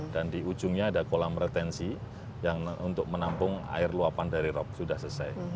dan di ujungnya ada kolam retensi yang untuk menampung air luapan dari rop sudah selesai